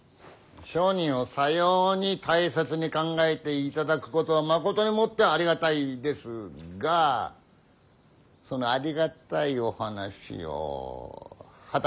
商人をさように大切に考えていただくことはまことにもってありがたいですがそのありがたいお話を果たして誰が理解できるものか。